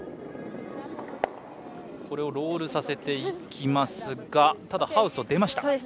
ロールさせていきますがただハウスを出ました。